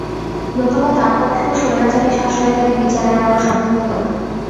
নতুবা তাঁর পক্ষেও স্বৈরাচারী শাসনের দায়ে বিচার এড়ানো সম্ভব হতো না।